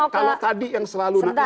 kalau tadi yang selalu